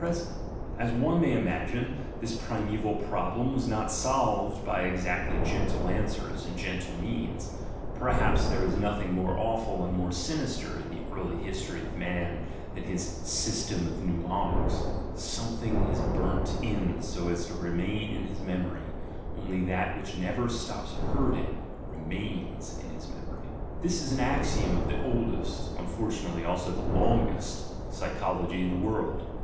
As "GUILT" AND "BAD CONSCIENCE" 45 one may imagine, this primeval problem was not solved by exactly gentle answers and gentle means; perhaps there is nothing more awful and more sinister in the early history of man than his system of mnemonics. "Some thing is burnt in so as to remain in his memory: only that which never stops hurting remains in his memory." This is an axiom of the oldest (unfortunately also the longest) psychology in the world.